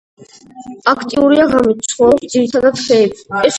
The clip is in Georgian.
აქტიურია ღამით, ცხოვრობს ძირითადად ხეებზე.